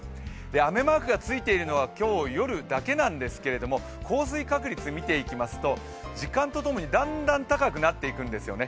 雨マークがついているのは今日夜だけなんですけれども降水確率見ていくと時間とともにだんだん高くなっていくんですね。